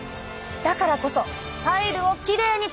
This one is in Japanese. だからこそパイルをきれいに保つには。